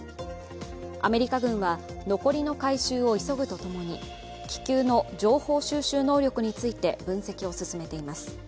アメリカ軍は残りの回収を急ぐとともに、気球の情報収集能力について分析を進めています。